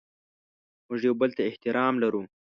موږ یو بل ته احترام لرو.